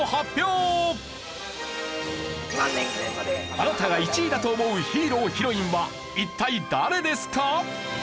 あなたが１位だと思うヒーロー＆ヒロインは一体誰ですか？